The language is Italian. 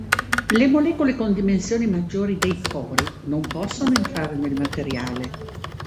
Le molecole con dimensioni maggiori dei pori non possono entrare nel materiale.